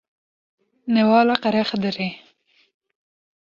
Newala Qerexidirê